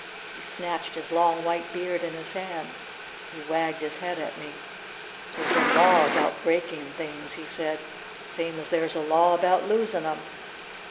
He snatched his long white beard in his hands. He wagged his head at me. "There's a law about breakin' things," he said, "same as there's a law about losin' them!